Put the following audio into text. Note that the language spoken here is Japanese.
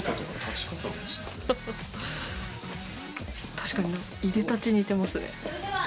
確かにいでたち似てますね。